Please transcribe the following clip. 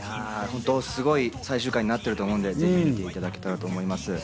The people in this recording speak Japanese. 本当、すごい最終回になっていると思うので、ぜひ見ていただきたいと思います。